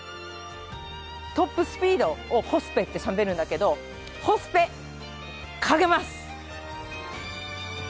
トップスピードを「ホスペ」ってしゃべるんだけどホスペかけます！